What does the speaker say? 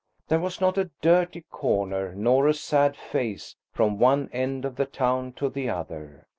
There was not a dirty corner nor a sad face from one end of the town to the other.